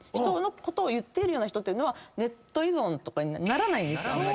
人のことを言っているような人ネット依存とかにならないんですよ